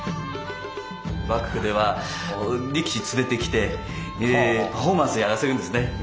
幕府では力士連れてきてパフォーマンスやらせるんですね